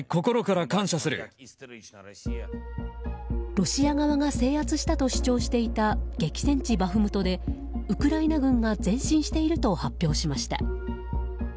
ロシア側が制圧したと主張していた激戦地バフムトでウクライナ軍が前進していると発表しました。